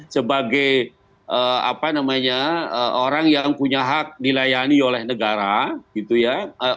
sebagai apa namanya orang yang punya hak dilayani oleh negara gitu ya